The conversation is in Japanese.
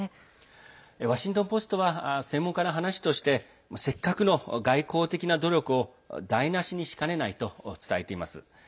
ワシントン・ポストは専門家の話としてせっかくの外交的な努力を台なしにしかねないと伝えています。